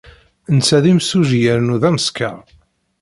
Netta d imsujji yernu d ameskar.